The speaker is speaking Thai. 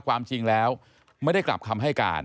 ความจริงแล้วไม่ได้กลับคำให้การ